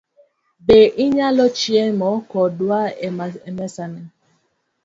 Be inyalo chiemo kodwa e mesani?